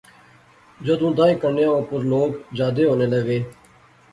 جدوں دائیں کنڈیاں اُپر لوک جادے ہونے لغے